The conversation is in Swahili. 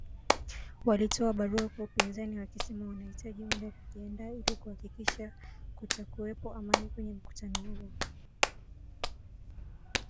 Walitoa barua kwa upinzani wakisema wanahitaji muda kujiandaa ili kuhakikisha kutakuwepo amani kwenye mkutano huo